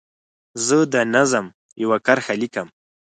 زه د نظم یوه کرښه لیکم.